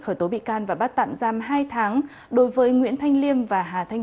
khởi tố bị can và bắt tạm giam hai tháng đối với nguyễn thanh liêm và hà thanh